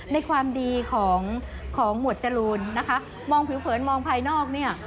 ในความดีของของหมวดจรูนนะคะมองผิวเผินมองภายนอกเนี่ย